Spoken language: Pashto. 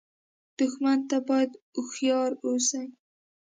دښمن ته باید هوښیار اوسې